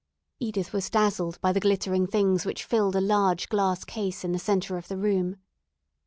Edith was dazzled by the glittering things which filled a large glass case in the centre of the room.